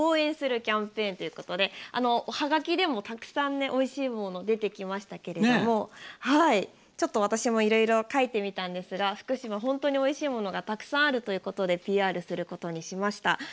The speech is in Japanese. はがきでもたくさんおいしいものが出てきましたけれども私もいろいろ描いてみたんですけど、福島は本当においしいものがたくさんあるということでＰＲすることにしました。